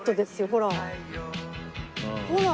ほら！